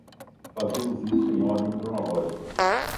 Fazemos isso em ordem cronológica.